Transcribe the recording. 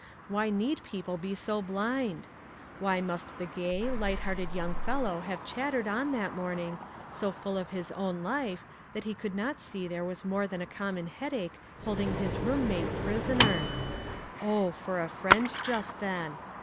Why need people be so blind ? Why must the gay, light hearted young fellow have chat tered on that morning, so full of his own life, that he could not see there was more than a common headache holding his room mate prisoner ? Oh, for a friend just then